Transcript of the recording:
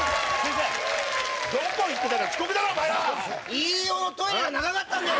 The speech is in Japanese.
飯尾のトイレが長かったんです。